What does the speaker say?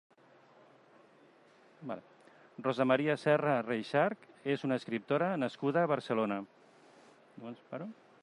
Rosa Maria Serra Reixach és una escriptora nascuda a Barcelona.